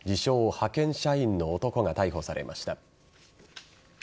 ・派遣社員の男が逮捕されました。